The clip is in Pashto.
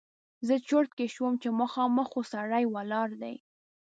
زه چرت کې شوم چې مخامخ خو سړی ولاړ دی!